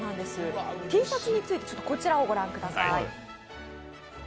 Ｔシャツについてこちらをご覧ください。